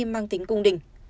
mang tính cung đình